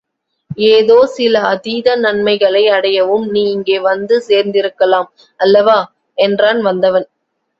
ஏதோ சில அதீத நன்மைகளை அடையவும் நீ இங்கே வந்து சேர்ந்திருக்கலாம் அல்லவா என்றான் வந்தவன்.